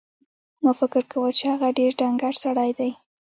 ما فکر کاوه چې هغه ډېر ډنګر سړی دی.